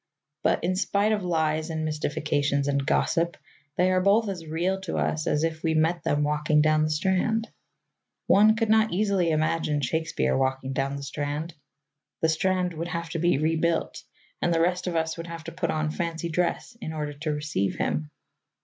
But, in spite of lies and Mystifications and gossip, they are both as real to us as if we met them walking down the Strand. One could not easily imagine Shakespeare walking down the Strand. The Strand would have to be rebuilt, and the rest of us would have to put on fancy dress in order to receive him.